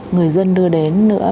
người dân đưa đến nữa